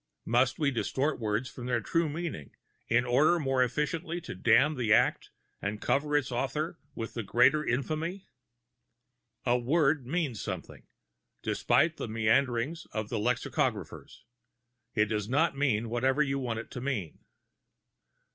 Must we distort words from their true meaning in order more effectually to damn the act and cover its author with a greater infamy? A word means something; despite the maunderings of the lexicographers, it does not mean whatever you want it to mean.